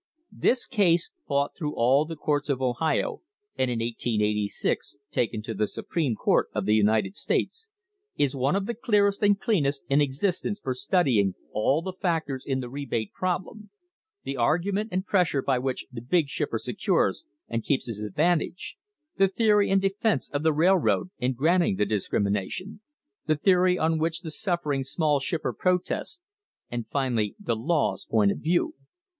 This case, fought through all the courts of Ohio, and in 1886 taken to the Supreme Court of the United States, is one of the clearest and cleanest in existence for studying all the factors in the rebate problem the argument and pressure by which the big shipper secures and keeps his advantage, the theory and defence of the railroad in grant ing the discrimination, the theory on which the suffering small shipper protests, and finally the law's point of view.